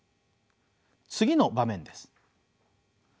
次の場面です。